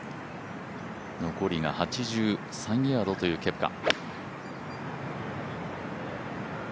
残りが８３ヤードというケプカ。